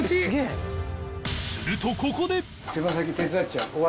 するとここで